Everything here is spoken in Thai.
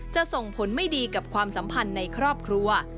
ส่งผลไม่ดีกับความสัมพันธ์ในครอบครัว